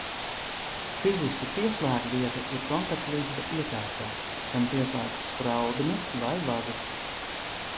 Fiziski pieslēgvieta ir kontaktligzda iekārtā, kam pieslēdz spraudni vai vadu.